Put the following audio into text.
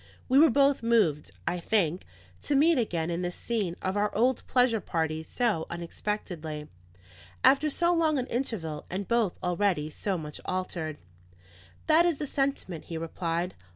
We were both moved, I think, to meet again in this scene of our old pleasure parties so unexpectedly, after so long an interval, and both already so much altered. "That is the sentiment," he replied.